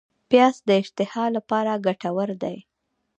پیاز د اشتها لپاره ګټور دی